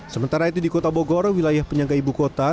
sementara itu di kota bogor wilayah penyangga ibu kota